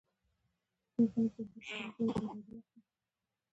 باسواده ته په پښتو کې لوستی وايي.